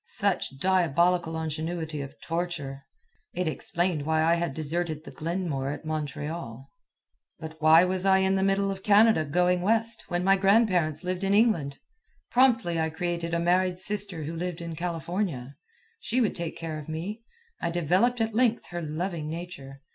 Such diabolical ingenuity of torture! It explained why I had deserted the Glenmore at Montreal. But why was I in the middle of Canada going west, when my grandparents lived in England? Promptly I created a married sister who lived in California. She would take care of me. I developed at length her loving nature.